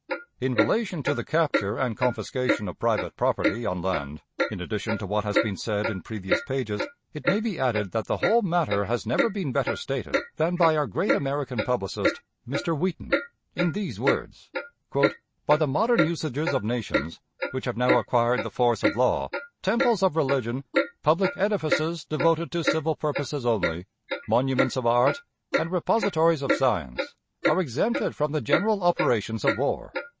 In relation to the capture and confiscation of private property on land, in addition to what has been said in previous pages, it may be added that the whole matter has never been better stated than by our great American publicist, Mr. Wheaton, in these words: "By the modern usages of nations, which have now acquired the force of law, temples of religion, public edifices devoted to civil purposes only, monuments of art, and repositories of science, are exempted from the general operations of war.